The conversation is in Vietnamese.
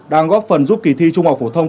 đang góp phần giúp kỳ thi trung học phổ thông